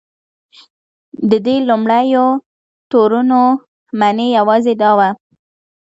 د دې لومړیو تورونو معنی یوازې دا وه.